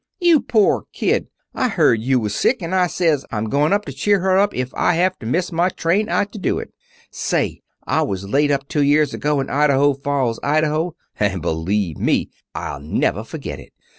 "You poor kid, you! I heard you was sick, and I says, 'I'm going up to cheer her up if I have to miss my train out to do it.' Say, I was laid up two years ago in Idaho Falls, Idaho, and believe me, I'll never forget it.